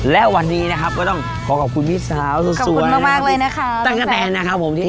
แล้ววันนี้นะครับก็ต้องขอขอบคุณมีสาวสวย